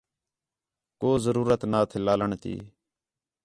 کو ضرورت نہ تھے لاݨ تی